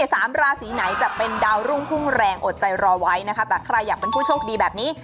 สามราศีไหนจะเป็นดาวรุ่งพุ่งแรงอดใจรอไว้นะคะแต่ใครอยากเป็นผู้โชคดีแบบนี้